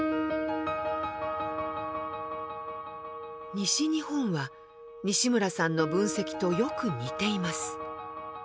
西日本は西村さんの分析とよく似ています。